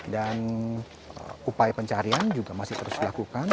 dan upaya pencarian juga masih terus dilakukan